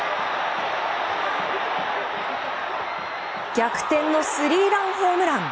逆転のスリーランホームラン！